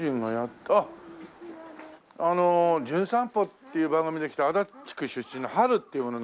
あっあの『じゅん散歩』っていう番組で来た足立区出身の波瑠っていう者なんだけど。